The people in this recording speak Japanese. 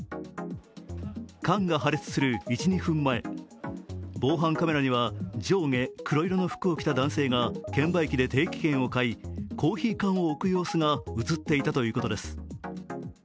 缶が破裂する１２分前防犯カメラには上下黒色の服を着た男性が券売機で定期券を買いコーヒー缶を置く様子が映っていたということです。